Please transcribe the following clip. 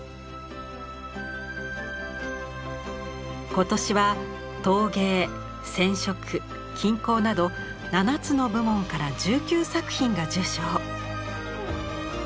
今年は陶芸染織金工など７つの部門から１９作品が受賞。